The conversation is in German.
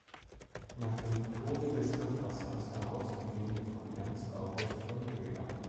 Nach dem Tode des Verfassers herausgegeben von Ernst August von Göler.